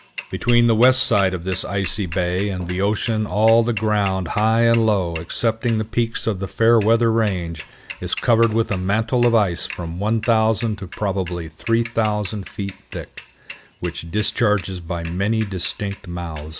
Between the west side of this icy bay and the ocean all the ground, high and low, excepting the peaks of the Fairweather Range, is covered with a mantle of ice from 1000 to probably 3000 feet thick, which discharges by many distinct mouths.